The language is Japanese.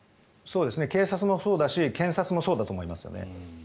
警察もそうだし検察もそうだと思いますね。